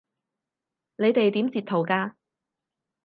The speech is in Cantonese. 你哋點截圖㗎？